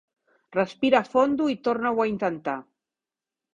Respira fondo i torna-ho a intentar.